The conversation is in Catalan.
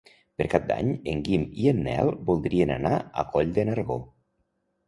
Per Cap d'Any en Guim i en Nel voldrien anar a Coll de Nargó.